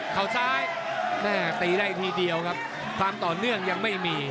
เขาซ้ายแม่ตีได้ทีเดียวครับความต่อเนื่องยังไม่มี